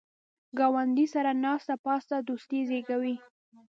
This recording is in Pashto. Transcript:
ګاونډي سره ناسته پاسته دوستي زیږوي